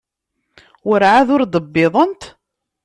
Werɛad ur d-wwiḍent?